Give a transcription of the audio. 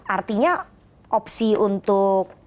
artinya opsi untuk